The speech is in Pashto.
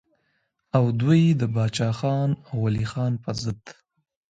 او دوي د باچا خان او ولي خان پۀ ضد